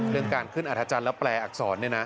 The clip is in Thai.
เรื่องการขึ้นอัธจันทร์และแปลอักษร